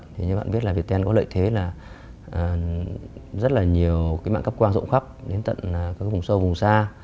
như các bạn biết là viettel có lợi thế là rất là nhiều mạng cấp quang rộng khắp đến tận vùng sâu vùng xa